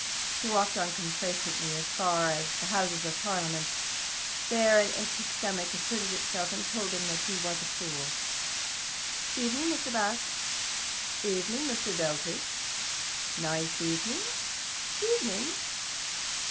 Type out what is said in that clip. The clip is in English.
He walked on complacently as far as the Houses of Parliament. There an empty stomach asserted itself, and told him he was a fool. "Evening, Mr. Bast." "Evening, Mr. Dealtry." "Nice evening." "Evening."